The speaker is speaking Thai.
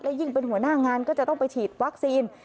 ยิ่งเป็นหัวหน้างานก็จะต้องไปฉีดวัคซีน